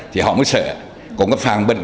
thì họ mới sợ cũng có phạm bệnh